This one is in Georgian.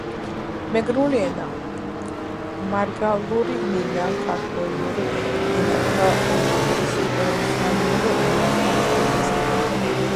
მეგრული ენა . მარგალური ნინა ქართველურ ენათა ოჯახის ზანურ ენათა ჯგუფის ენა.